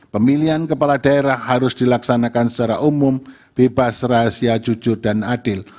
pemilihan kepala daerah harus dilaksanakan secara umum bebas rahasia jujur dan adil